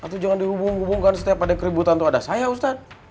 atau jangan dihubung hubungkan setiap ada keributan itu ada saya ustadz